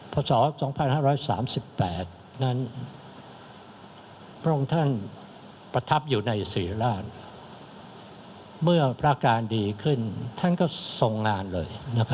พศ๒๕๓๘นั้นพระองค์ท่านประทับอยู่ในศรีราชเมื่อพระการดีขึ้นท่านก็ทรงงานเลย